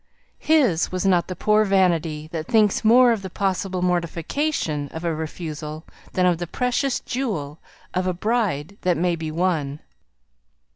His was not the poor vanity that thinks more of the possible mortification of a refusal than of the precious jewel of a bride that may be won.